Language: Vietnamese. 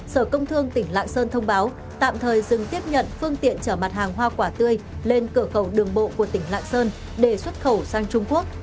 sở công thương tỉnh lạng sơn thông báo tạm thời dừng tiếp nhận phương tiện chở mặt hàng hoa quả tươi lên cửa khẩu đường bộ của tỉnh lạng sơn để xuất khẩu sang trung quốc